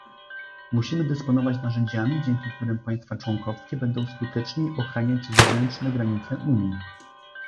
Musimy dysponować narzędziami, dzięki którym państwa członkowskie będą skuteczniej ochraniać zewnętrzne granice Unii